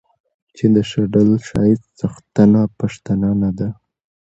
چې د شډل ښايست څښتنه پښتنه نه ده